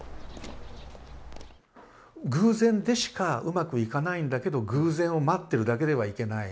偶然でしかうまくいかないんだけど偶然を待ってるだけではいけない。